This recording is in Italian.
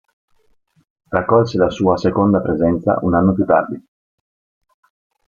Raccolse la sua seconda presenza un anno più tardi.